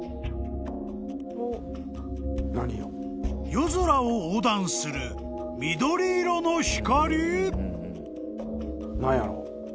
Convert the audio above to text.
［夜空を横断する緑色の光？］